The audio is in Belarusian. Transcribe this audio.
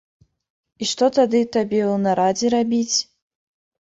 І што тады табе ў нарадзе рабіць?